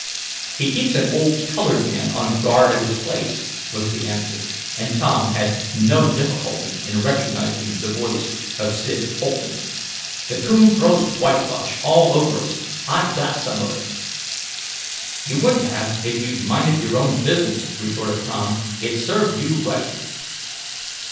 "He keeps an old colored man on guard at his place," was the answer, and Tom had no difficulty in recognizing the voice of Sid Holton. "The coon throws whitewash all over us. I got some of it." "You wouldn't have, if you'd minded your own business," retorted Tom. "It served you right!"